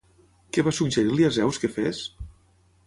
Què va suggerir-li a Zeus que fes?